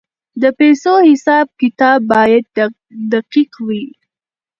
د پیسو حساب کتاب باید دقیق وي.